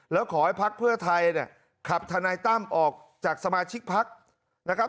แล้วขอให้พักเพื่อไทยเนี่ยขับทนายตั้มออกจากสมาชิกพักนะครับ